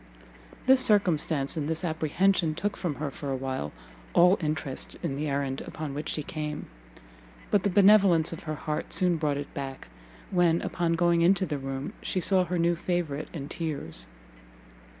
This circumstance and this apprehension took from her for a while all interest in the errand upon which she came; but the benevolence of her heart soon brought it back, when, upon going into the room, she saw her new favourite in tears.